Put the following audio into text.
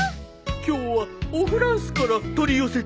今日はおフランスから取り寄せたのよ。